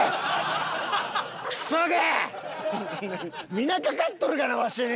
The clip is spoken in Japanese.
皆かかっとるがなわしに！